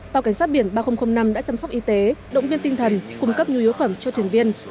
tàu cảnh sát biển ba nghìn năm đã chăm sóc y tế động viên tinh thần cung cấp nhu yếu phẩm cho thuyền viên